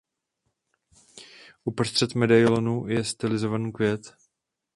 Uprostřed medailonu je stylizovaný květ.